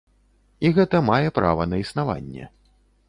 І гэта мае права на існаванне.